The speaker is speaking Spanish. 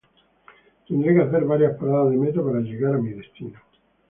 Tendré que hacer varias paradas de metro para llegar a mi destino